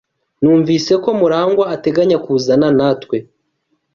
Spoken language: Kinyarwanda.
Numvise ko Murangwa ateganya kuzana natwe.